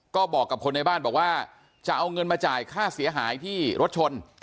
ก็บอกกับคนในบ้านบอกว่าจะเอาเงินมาจ่ายค่าเสียหายที่รถชน